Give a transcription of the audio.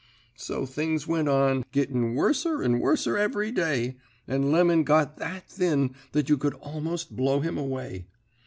"So things went on, gitting worser and worser every day, and Lemon got that thin that you could almost blow him away.